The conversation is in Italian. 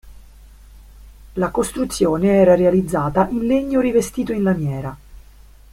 La costruzione era realizzata in legno rivestito in lamiera.